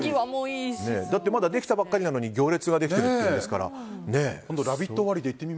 できたばかりなのに行列ができてるっていうんですから。